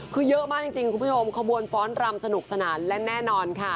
คือเยอะมากจริงคุณผู้ชมขบวนฟ้อนรำสนุกสนานและแน่นอนค่ะ